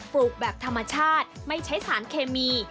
ลูกแบบธรรมชาติไม่ใช้สารเคมี